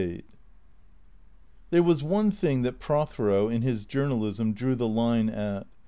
LVIII THERE was one thing that Prothero, in his journalism, drew the line at.